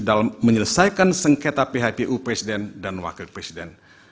dalam menyelesaikan sengketa phpu presiden dan wakil presiden